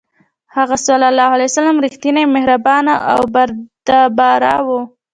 هغه ﷺ رښتینی، مهربان او بردباره و.